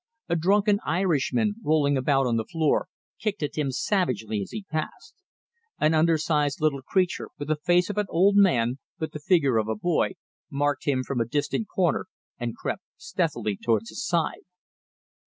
A drunken Irishman, rolling about on the floor, kicked at him savagely as he passed. An undersized little creature, with the face of an old man but the figure of a boy, marked him from a distant corner and crept stealthily towards his side.